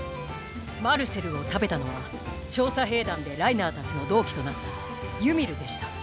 マルセルを食べたのは調査兵団でライナーたちの同期となったユミルでした。